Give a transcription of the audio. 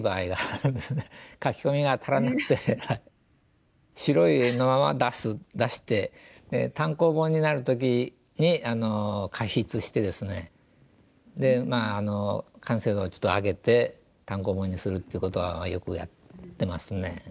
描き込みが足らなくて白い絵のまま出す出して単行本になる時に加筆してですねでまあ完成度をちょっと上げて単行本にするっていうことはよくやってますね。